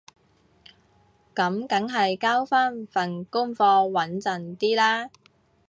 噉梗係交返份功課穩陣啲啦